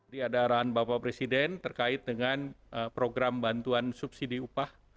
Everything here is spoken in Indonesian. diadaran bapak presiden terkait dengan program bantuan subsidi upah